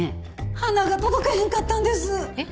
花が届かへんかったんですえっ？